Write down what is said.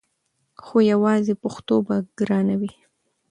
خو یواځې پښتو به ګرانه وي!